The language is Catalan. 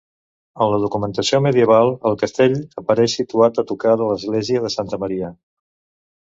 En la documentació medieval, el castell apareix situat a tocar de l'església de Santa Maria.